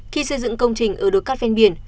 khi xây dựng công trình ở đồi cát ven biển